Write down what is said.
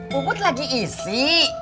puput lagi isi